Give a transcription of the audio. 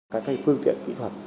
các phương tiện kỹ thuật